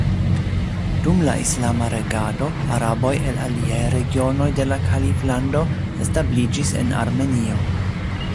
Dum la islama regado araboj el aliaj regionoj de la Kaliflando establiĝis en Armenio.